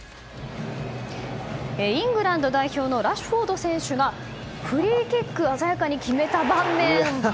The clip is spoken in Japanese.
イングランド代表のラシュフォード選手がフリーキック鮮やかに決めた場面。